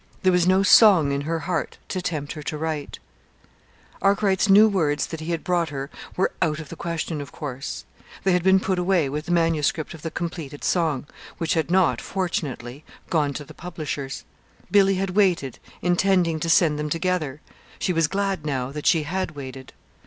There was no song in her heart to tempt her to write. Arkwright's new words that he had brought her were out of the question, of course. They had been put away with the manuscript of the completed song, which had not, fortunately, gone to the publishers. Billy had waited, intending to send them together. She was so glad, now, that she had waited.